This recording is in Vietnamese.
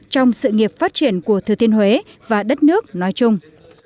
trong sự nghiệp phát triển của thừa thiên huế và đất nước nói chung